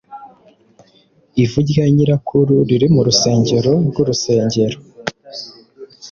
Ivu rya nyirakuru riri mu rusengero rwurusengero.